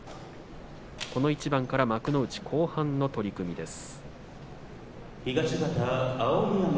この一番から幕内後半の取組です。